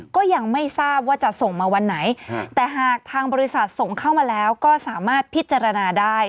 ก็ยังไม่ทราบว่าจะส่งมาวันไหนแต่หากทางบริษัทส่งเข้ามาแล้วก็สามารถพิจารณาได้